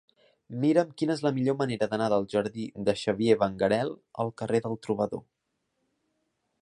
Mira'm quina és la millor manera d'anar del jardí de Xavier Benguerel al carrer del Trobador.